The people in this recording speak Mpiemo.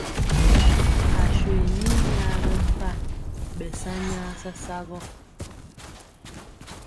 Aswe ni yaɓɛ mpa, ɓɛ sa nyaa sasa gɔ.